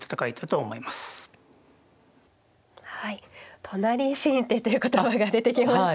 はい都成新手という言葉が出てきました。